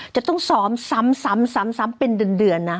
จะต้องซ้อมซ้ำเป็นเดือนนะ